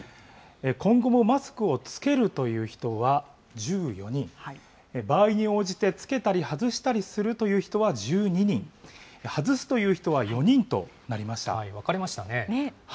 今後もマスクを着けるという人は１４人、場合に応じて着けたり外したりするという人は１２人、分かれましたね。